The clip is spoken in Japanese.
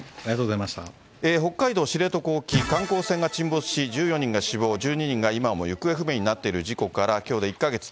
北海道知床沖、観光船が沈没し、１４人が死亡、１２人が今も行方不明になっている事故からきょうで１か月。